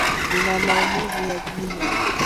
Nina maumivu ya jino